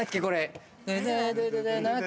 これ。